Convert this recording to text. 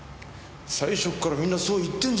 最初からみんなそう言ってんじゃねえか！